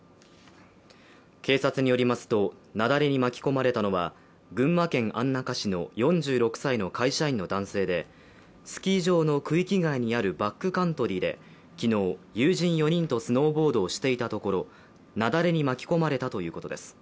警察によりますと雪崩に巻き込まれたのは群馬県安中市の４６歳の会社員の男性でスキー場の区域外にあるバックカントリーで、昨日、友人４人とスノーボードをしていたところ雪崩に巻き込まれたということです。